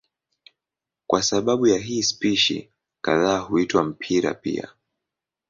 Kwa sababu ya hii spishi kadhaa huitwa mpira pia.